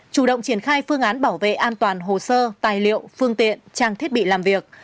chủ động triển khai phương án bảo vệ an toàn hồ sơ tài liệu phương tiện trang thiết bị làm việc